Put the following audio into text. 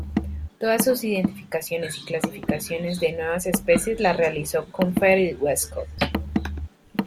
Todas sus identificaciones y clasificaciones de nuevas especies las realizó con Frederic Westcott.